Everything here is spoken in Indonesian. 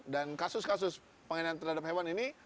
dan kasus kasus penganiayaan terhadap hewan ini